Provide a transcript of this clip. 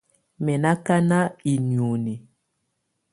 Mɛ̀ ná ákaná i nioni.